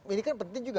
ini kan penting juga